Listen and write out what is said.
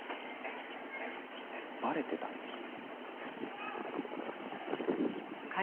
バレてたんですか？